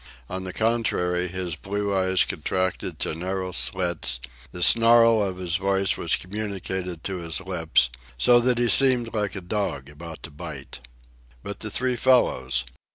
On the contrary, his blue eyes contracted to narrow slits, the snarl of his voice was communicated to his lips, so that he seemed like a dog about to bite. But the three fellows.